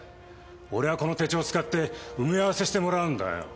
俺はこの手帳を使って埋め合わせしてもらうんだよ。